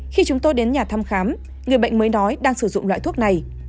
khi chúng tôi đến nhà thăm khám người bệnh mới nói đang sử dụng loại thuốc này